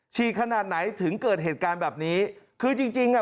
ฉีดขนาดไหนถึงเกิดเหตุการณ์แบบนี้คือจริงจริงอ่ะ